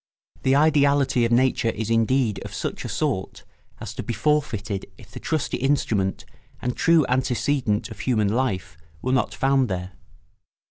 The ideality of nature is indeed of such a sort as to be forfeited if the trusty instrument and true antecedent of human life were not found there.